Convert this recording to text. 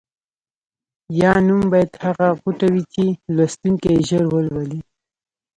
یا نوم باید هغه غوټه وي چې لوستونکی یې ژر ولولي.